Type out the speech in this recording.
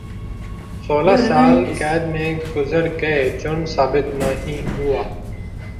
سولہ سال قید میں گزر گئے جرم ثابت نہیں ہوا